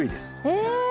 え！